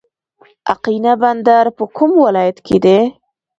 اقینه بندر په کوم ولایت کې دی؟